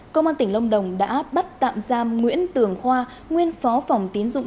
công an tỉnh lâm đồng đã bắt tạm giam nguyễn tường khoa nguyên phó phòng tín dụng